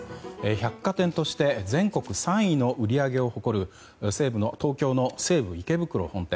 百貨店として全国３位の売り上げを誇る東京の西武池袋本店。